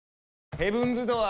ヘブンズ・ドアー！